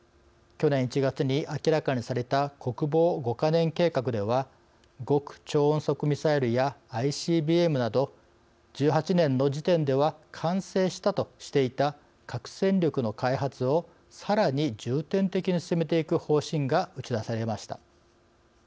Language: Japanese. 去年１月に明らかにされた国防５か年計画では極超音速ミサイルやＩＣＢＭなど１８年の時点では完成したとしていた核戦力の開発をさらに重点的に進めていく方針が打ち出されました。